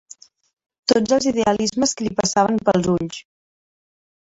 Tots els idealismes que li passaven pels ulls